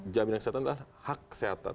jaminan kesehatan adalah hak kesehatan